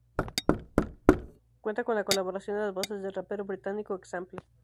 Cuenta con la colaboración en las voces, del rapero británico, Example.